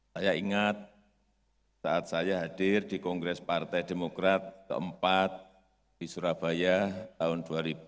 saya ingat saat saya hadir di kongres partai demokrat ke empat di surabaya tahun dua ribu lima belas